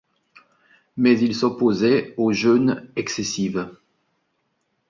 Mais il s'opposait aux jeûnes excessives.